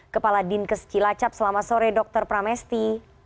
kepala dinkes cilacap selamat sore dr pramesti